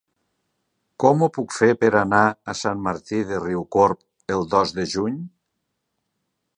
Com ho puc fer per anar a Sant Martí de Riucorb el dos de juny?